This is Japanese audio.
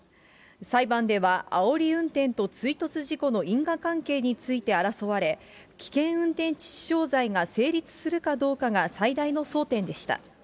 裁判ではあおり運転と追突事故の因果関係について争われ、危険運転致死傷罪が成立するかどうかが最大の争点でした。